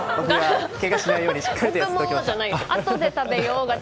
けがしないようにしっかりと作りました。